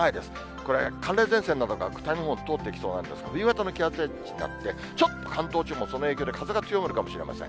これ、寒冷前線などが北日本を通ってきますので、夕方の気圧配置になって、ちょっと関東地方もその影響で風が強まるかもしれません。